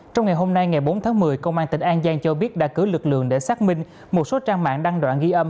trong ngày hôm nay ngày bốn tháng một mươi công an tỉnh an giang cho biết đã cử lực lượng để xác minh một số trang mạng đăng đoạn ghi âm